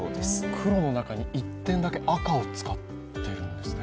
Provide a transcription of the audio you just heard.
黒の中に一点だけ赤を使ってるんですね。